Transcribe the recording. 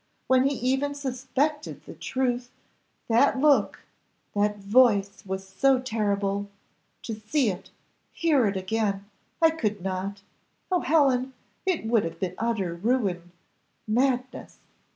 When he even suspected the truth! that look that voice was so terrible. To see it hear it again! I could not oh, Helen, it would have been utter ruin madness.